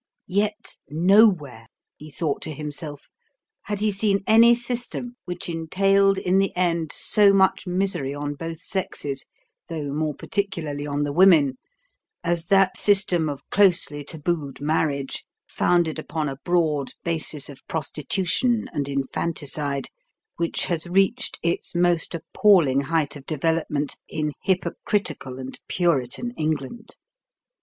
Yet, nowhere, he thought to himself, had he seen any system which entailed in the end so much misery on both sexes, though more particularly on the women, as that system of closely tabooed marriage, founded upon a broad basis of prostitution and infanticide, which has reached its most appalling height of development in hypocritical and puritan England.